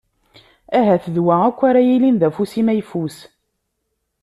Ahat d wa akk ara yillin d afus-im ayfus.